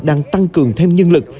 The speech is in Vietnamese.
đang tăng cường thêm nhân lực